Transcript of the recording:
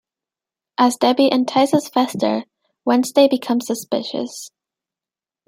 As Debbie entices Fester, Wednesday becomes suspicious.